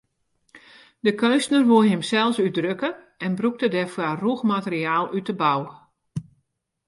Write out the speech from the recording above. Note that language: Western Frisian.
De keunstner woe himsels útdrukke en brûkte dêrfoar rûch materiaal út de bou.